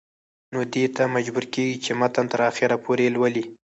نو دې ته مجبوره کيږي چې متن تر اخره پورې لولي